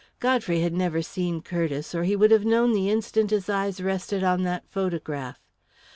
Godfrey had never seen Curtiss, or he would have known the instant his eyes rested on that photograph!